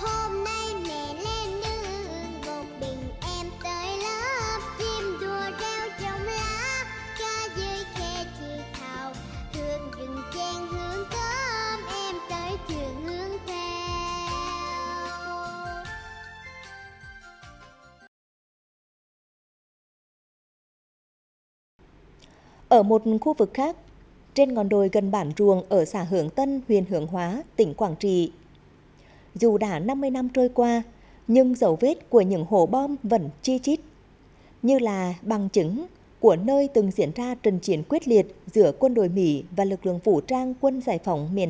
hôm nay mẹ lên nước một mình em tới lớp chim đùa rêu trong lá ca dưới khe trừ thầu thương dừng chen hướng tóm em tới trường hướng theo